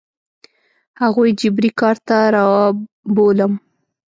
هغوی جبري کار ته رابولم.